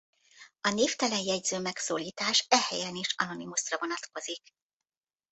A Névtelen Jegyző megszólítás e helyen is Anonymusra vonatkozik.